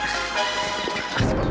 terima kasih pak